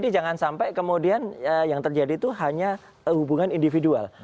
karena kemudian yang terjadi itu hanya hubungan individual